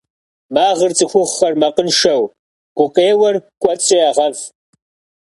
Магъыр цӏыхухъухэр макъыншэу, гукъеуэр кӏуэцӏкӏэ ягъэв.